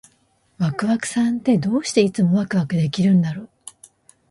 ワクワクさんって、どうしていつもワクワクできるんだろう？